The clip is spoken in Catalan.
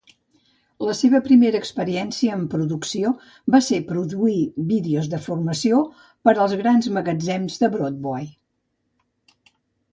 La seva primera experiència en producció va ser produir vídeos de formació per als grans magatzems de Broadway.